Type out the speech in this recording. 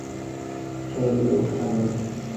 他能承受嗎？